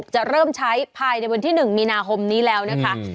จะเริ่มใช้ภายในวันที่๑มีนาคมนี้แล้วนะคะ